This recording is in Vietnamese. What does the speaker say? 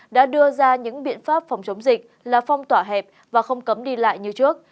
đã đưa ra những biện pháp phòng chống dịch là phong tỏa hẹp và không cấm đi lại như trước